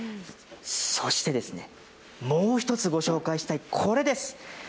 そして、もう１つご紹介したいこれです。